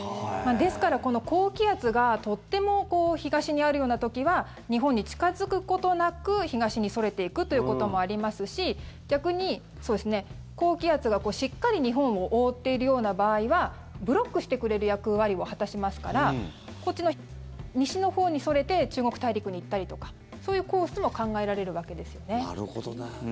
ですから、この高気圧がとっても東にあるような時は日本に近付くことなく東にそれていくということもありますし逆に、高気圧がしっかり日本を覆っているような場合はブロックしてくれる役割を果たしますからこっち西のほうにそれて中国大陸に行ったりとかそういうコースも考えられるわけですよね。